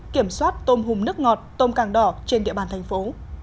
kiểm soát tôm hùm nước ngọt tôm càng đỏ trên địa bàn thành phố